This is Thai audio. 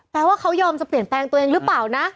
ว่าเขายอมจะเปลี่ยนแปลงตัวเองหรือเปล่านะ